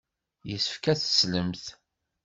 Yessefk ad teslemt.